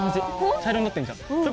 茶色になってるじゃん。